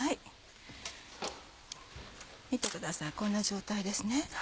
見てくださいこんな状態ですね。